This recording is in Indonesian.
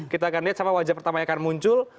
kita akan lihat sama wajah pertama yang akan muncul